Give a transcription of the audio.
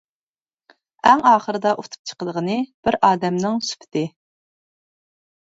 ئەڭ ئاخىرىدا ئۇتۇپ چىقىدىغىنى بىر ئادەمنىڭ سۈپىتى.